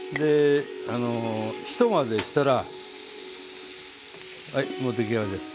ひと混ぜしたらはいもう出来上がりです。